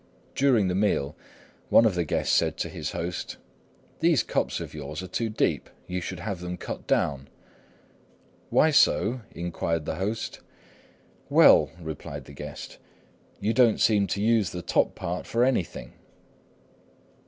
During the meal, one of the guests said to his host, "These cups of yours are too deep; you should have them cut down." "Why so?" inquired the host. "Well," replied the guest, "you don't seem to use the top part for anything."